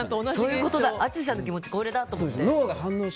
淳さんの気持ち、これだと思って。